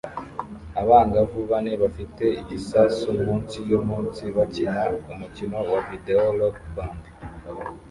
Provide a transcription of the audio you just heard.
Abangavu bane bafite igisasu mu nsi yo munsi bakina umukino wa videwo Rock Band